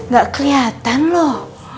gak keliatan loh